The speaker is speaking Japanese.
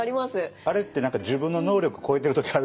あれって何か自分の能力超えてる時あるじゃないですか。